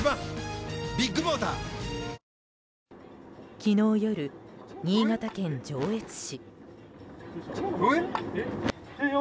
昨日夜、新潟県上越市。